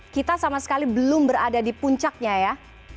kita sama sekali belum berada di puncaknya ya